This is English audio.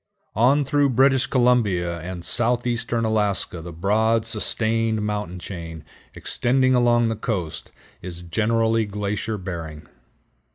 On through British Columbia and southeastern Alaska the broad, sustained mountain chain, extending along the coast, is generally glacier bearing.